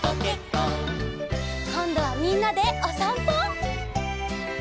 こんどはみんなでおさんぽ！